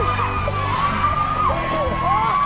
อีกรูปนึง